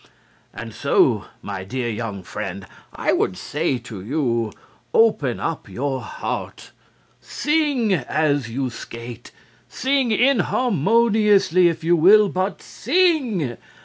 "And so, my dear young friend, I would say to you: Open up your heart; sing as you skate; sing inharmoniously if you will, but sing!